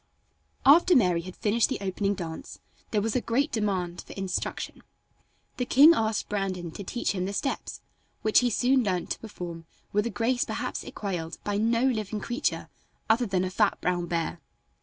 After Mary had finished the opening dance there was a great demand for instruction. The king asked Brandon to teach him the steps, which he soon learned to perform with a grace perhaps equaled by no living creature other than a fat brown bear.